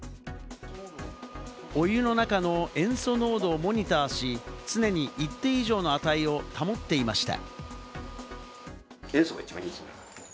お湯の中の塩素濃度をモニターし、常に一定以上の値を保っていました。